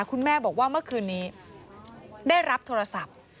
คุณแม่บอกว่าเมื่อคืนนี้ได้รับโทรศัพท์